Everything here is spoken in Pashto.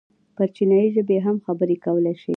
پر چينايي ژبې هم خبرې کولی شي.